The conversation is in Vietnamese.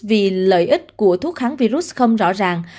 vì lợi ích của thuốc kháng virus không rõ ràng